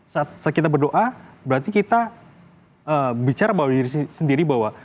saat kita berdoa berarti kita bicara bahwa diri sendiri bahwa